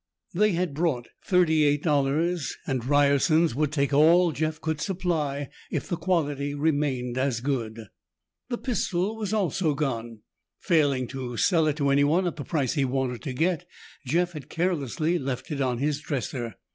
They had brought thirty eight dollars and Ryerson's would take all Jeff could supply if the quality remained as good. The pistol was also gone. Failing to sell it to anyone at the price he wanted to get, Jeff had carelessly left it on his dresser.